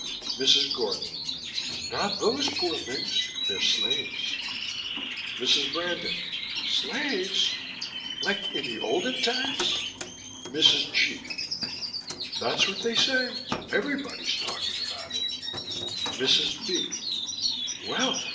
MRS. GORDON: Not those poor things. They're slaves. MRS. BRANDON: Slaves? Like in the olden times? MRS. G.: That's what they say. Everybody's talking about it. MRS. B.: Well.